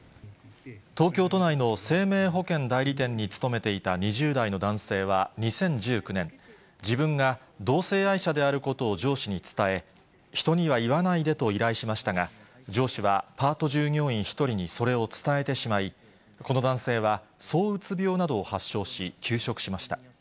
東京都内の生命保険代理店に勤めていた２０代の男性は２０１９年、自分が同性愛者であることを上司に伝え、人には言わないでと依頼しましたが、上司はパート従業員１人にそれを伝えてしまい、この男性はそううつ病などを発症し、休職しました。